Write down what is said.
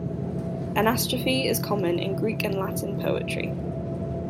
Anastrophe is common in Greek and Latin poetry.